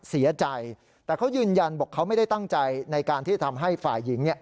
เสียใจแต่เขายืนยันบอกเขาไม่ได้ตั้งใจในการที่จะทำให้ฝ่ายหญิง